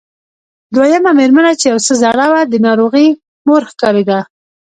دويمه مېرمنه چې يو څه زړه وه د ناروغې مور ښکارېده.